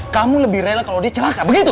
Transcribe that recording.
kamu lebih rela kalau dia celaka begitu